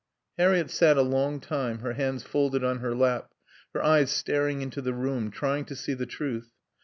... Harriett sat a long time, her hands folded on her lap, her eyes staring into the room, trying to see the truth.